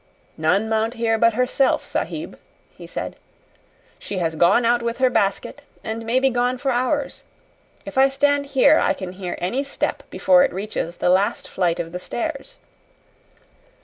"None mount here but herself, Sahib," he said. "She has gone out with her basket and may be gone for hours. If I stand here I can hear any step before it reaches the last flight of the stairs."